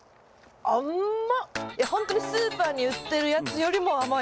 いやほんとにスーパーに売ってるやつよりも甘い。